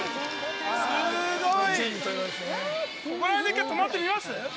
すごい！